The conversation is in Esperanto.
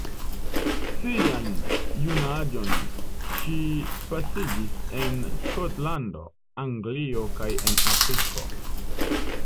Sian junaĝon ŝi pasigis en Skotlando, Anglio kaj en Afriko.